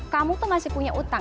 kamu tuh masih punya utang